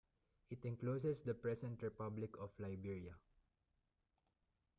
It encloses the present republic of Liberia.